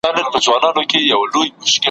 ګوندي قبول سي خواست د خوارانو `